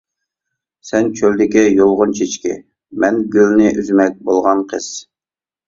سەن چۆلدىكى يۇلغۇن چېچىكى، مەن گۈلنى ئۈزمەك بولغان قىز.